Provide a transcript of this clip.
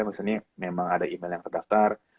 misalnya memang ada email yang terdaftar